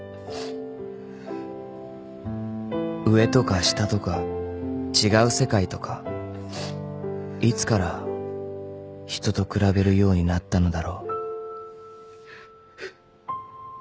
［上とか下とか違う世界とかいつから人と比べるようになったのだろう］